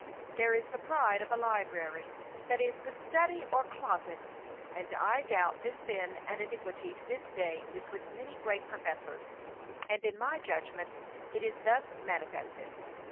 There is the pride of a library, that is, the study or closet, and I doubt this sin and iniquity to this day is with many great professors, and in my judgment it is thus manifested.